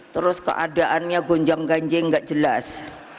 terus keadaannya gonjang ganjing nggak jelas